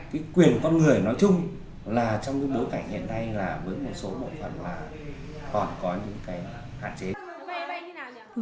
cái quyền con người nói chung là trong cái bối cảnh hiện nay là với một số bộ phận là còn có những cái hạn chế